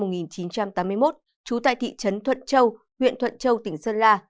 trú tại thị trấn thuận châu huyện thuận châu tỉnh sơn la